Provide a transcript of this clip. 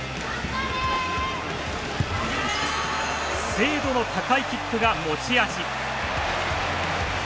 精度の高いキックが持ち味。